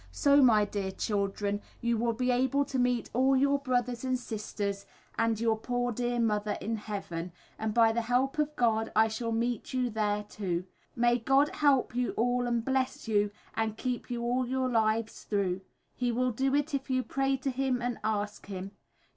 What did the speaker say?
So my Dear Children you will be able to meat all your brothers and sisters and your poore dear Mother in heaven, and by the help of God i shall meat you there to.... may God help you all and bless you and keep you all your lifes through. He will do it if you pray to him and ask him.